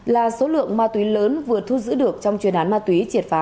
là số lượng ma túy lớn vừa thu giữ được trong chuyên án ma túy triệt phá